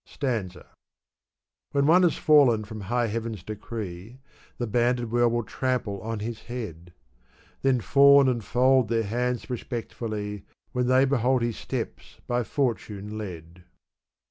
SAinza. When one has fallen from high heaven's decree, The banded world will trample on his head ; Then fawn and fold their hands respectfully, When they behold his steps by fortune led.